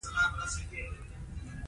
هغه هم تا ته شوی و.